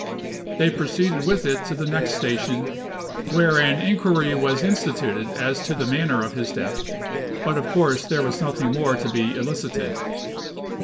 They proceeded with it to the next station, where an inquiry was instituted as to the manner of his death, but of course there was nothing more to be elicited.